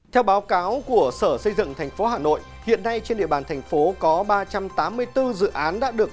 theo báo cáo của sở xây dựng thành phố hà nội hiện nay trên địa bàn thành phố có ba trăm tám mươi bốn dự án đã được